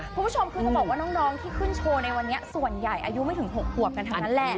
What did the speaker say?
คุณผู้ชมคือจะบอกว่าน้องที่ขึ้นโชว์ในวันนี้ส่วนใหญ่อายุไม่ถึง๖ขวบกันเท่านั้นแหละ